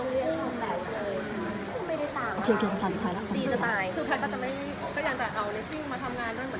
คือแพทย์ก็อยากจะเอาเลสติ้งมาทำงานด้วย